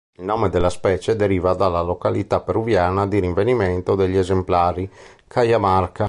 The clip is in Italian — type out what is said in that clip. Il nome della specie deriva dalla località peruviana di rinvenimento degli esemplari: Cajamarca.